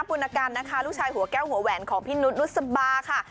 ปุณกันนะคะลูกชายหัวแก้วหัวแหวนของพี่นุษนุษบาค่ะ